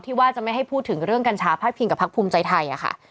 ที่ว่าจะไม่ให้พูดถึงเรื่องกัญชาพักเกียรติกับภักดิ์ภูมิใจไทยอะค่ะ